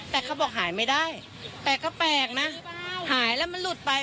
แต่เขาบอกหายไม่ได้แต่ก็แปลกนะหายแล้วมันหลุดไป